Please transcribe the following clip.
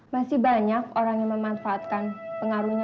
masih banyak orang yang memanfaatkan pengaruhnya